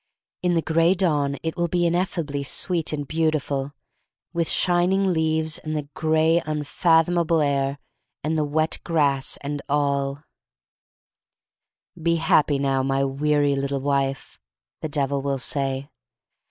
In the gray dawn it will be ineffably sweet and beautiful, with shining leaves and the gray, unfathomable air, and the wet grass, and all. f 156 THE STORY OF MARY MAC LANE "Be happy now, my weary little wife," the Devil will say.